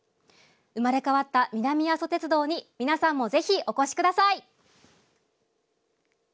生まれ変わった南阿蘇鉄道に皆さんも是非お越しください。